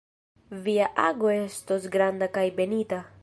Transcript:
Via ago estos granda kaj benita.